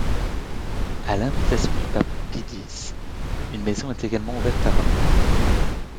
À l'invitation du pape Pie X, une maison est également ouverte à Rome.